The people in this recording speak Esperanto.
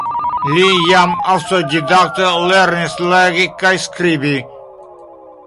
Li jam aŭtodidakte lernis legi kaj skribi.